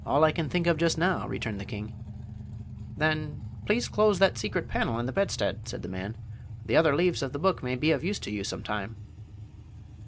"All I can think of just now," returned the king. "Then, please close that secret panel in the bedstead," said the man; "the other leaves of the book may be of use to you some time."